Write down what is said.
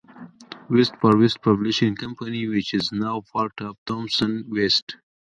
West for West Publishing Company, which is now part of Thomson West.